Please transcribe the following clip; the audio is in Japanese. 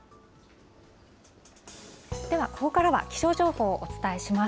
では、ここからは気象情報をお伝えします。